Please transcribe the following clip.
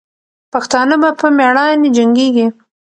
پښتانه به په میړانې جنګېږي.